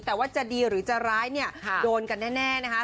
แต่ว่าจะดีหรือจะร้ายเนี่ยโดนกันแน่นะคะ